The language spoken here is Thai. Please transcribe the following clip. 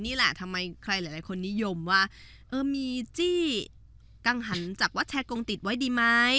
นี่แหละทำไมใครหลายคนนิยมว่าเออมีจี้กังหันจากวัดแชร์กงติดไว้ดีไหม